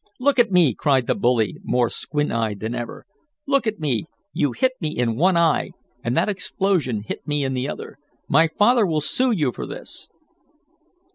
"Look at me!" cried the bully, more squint eyed than ever. "Look at me! You hit me in one eye, and that explosion hit me in the other! My father will sue you for this."